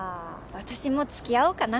私もつきあおうかな